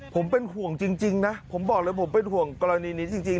ผมเป็นห่วงจริงนะผมบอกเลยผมเป็นห่วงกรณีนี้จริง